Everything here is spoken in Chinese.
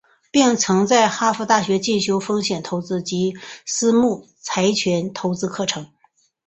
并曾在哈佛大学进修风险投资及私募产权投资课程。